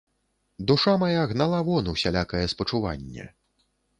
Душа мая гнала вон усялякае спачуванне.